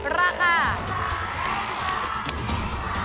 ราคา